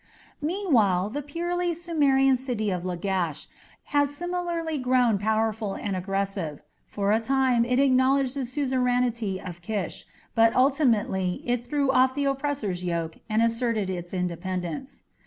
Meanwhile the purely Sumerian city of Lagash had similarly grown powerful and aggressive. For a time it acknowledged the suzerainty of Kish, but ultimately it threw off the oppressor's yoke and asserted its independence.